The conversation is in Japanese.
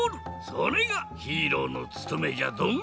それがヒーローのつとめじゃドン！